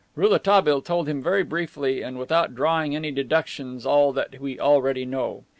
Rouletabille told him very briefly and without drawing any deductions all that we already know.